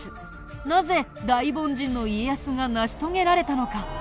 なぜ大凡人の家康が成し遂げられたのか？